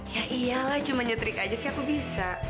ya iyalah cuma nyetrik aja sih aku bisa